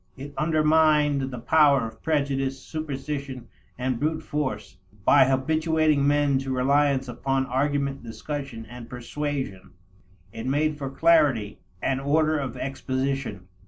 It undermined the power of prejudice, superstition, and brute force, by habituating men to reliance upon argument, discussion, and persuasion. It made for clarity and order of exposition.